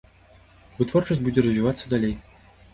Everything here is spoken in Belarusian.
Вытворчасць будзе развівацца далей.